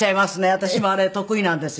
私もあれ得意なんですよ。